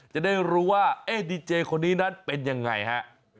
จะได้รู้ว่าเอ๊ะดีเจย์คนนี้นั้นเป็นอย่างไรฮะ